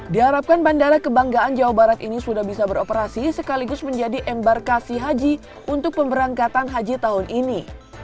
diharapkan bandara kebanggaan jawa barat ini sudah bisa beroperasi sekaligus menjadi embarkasi haji untuk pemberangkatan haji tahun ini